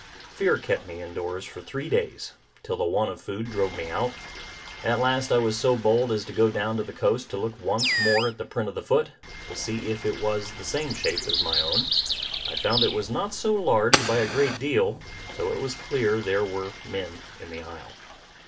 Fear kept me in doors for three days, till the want of food drove me out. At last I was so bold as to go down to the coast to look once more at the print of the foot, to see if it was the same shape as my own. I found it was not so large by a great deal; so it was clear there were men in the isle.